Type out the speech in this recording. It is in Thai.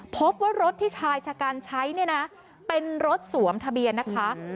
พบว่ารถที่ชายชะกันใช้เนี่ยนะเป็นรถสวมทะเบียนนะคะ